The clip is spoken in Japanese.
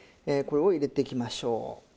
これを入れていきましょう。